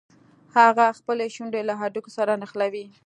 هغه خپلې شونډې له هډوکي سره نښلوي.